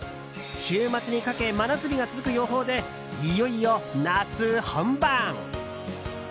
週末にかけ真夏日が続く予報でいよいよ夏本番！